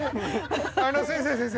あの先生先生！